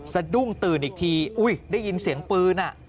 สะดุ้งตื่นอีกทีอุ้ยได้ยินเสียงปืน